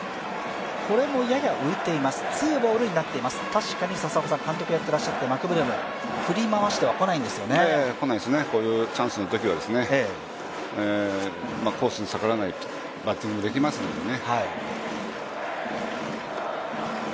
確かに、監督やっていらっしゃって、マクブルーム、振り回してはこないんですよね。来ないですね、こういうチャンスのときにはコースに逆らわないバッティングができますのでね。